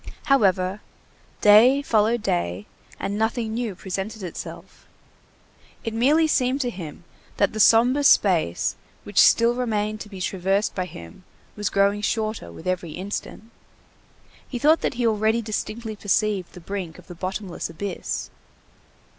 However, day followed day, and nothing new presented itself. It merely seemed to him, that the sombre space which still remained to be traversed by him was growing shorter with every instant. He thought that he already distinctly perceived the brink of the bottomless abyss.